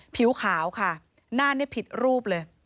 ผิวขาวค่ะหน้านี่ผิดรูปเลย